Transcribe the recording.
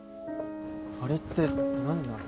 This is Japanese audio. あれって何なの？